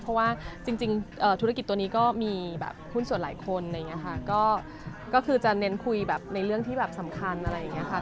เพราะว่าจริงธุรกิจตัวนี้ก็มีแบบหุ้นส่วนหลายคนอะไรอย่างนี้ค่ะก็คือจะเน้นคุยแบบในเรื่องที่แบบสำคัญอะไรอย่างนี้ค่ะ